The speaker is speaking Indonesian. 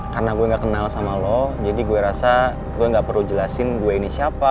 karena gue ga kenal sama lo jadi gue rasa gue ga perlu jelasin gue ini siapa